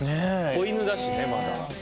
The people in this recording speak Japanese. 子犬だしねまだ。